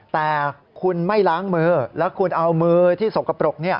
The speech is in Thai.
แต่คุณไม่ล้างมือแล้วคุณเอามือที่สกปรก